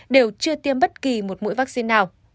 đều chưa tiêm bất kỳ một mũi vaccine nào